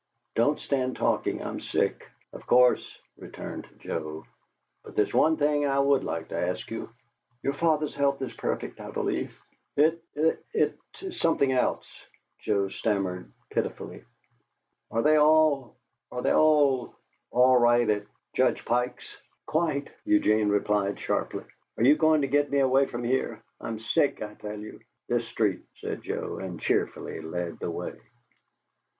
"Don't stand talking. I'm sick." "Of course," returned Joe. "But there's one thing I would like to ask you " "Your father's health is perfect, I believe." "It it it was something else," Joe stammered, pitifully. "Are they all are they all all right at at Judge Pike's?" "Quite!" Eugene replied, sharply. "Are you going to get me away from here? I'm sick, I tell you!" "This street," said Joe, and cheerfully led the way.